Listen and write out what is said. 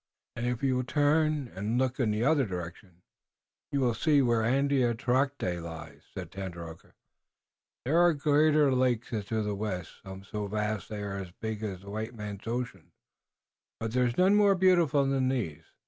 "And if you will turn and look in the other direction you will see where Andiatarocte lies," said Tandakora. "There are greater lakes to the west, some so vast that they are as big as the white man's ocean, but there is none more beautiful than these.